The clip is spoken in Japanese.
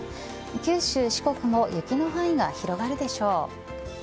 九州、四国も雪の範囲が広がるでしょう。